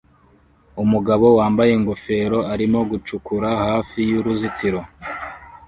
Umugabo wambaye ingofero arimo gucukura hafi y'uruzitiro